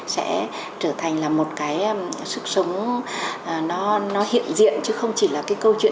sẽ trở thành một sức sống hiện diện chứ không chỉ là câu chuyện